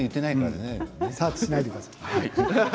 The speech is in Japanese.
サーチしないでください。